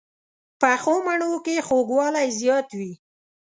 پخو مڼو کې خوږوالی زیات وي